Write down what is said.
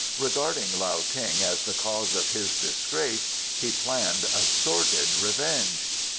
Regarding Lao Ting as the cause of his disgrace he planned a sordid revenge.